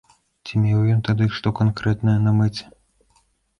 Ці меў ён тады што канкрэтнае на мэце?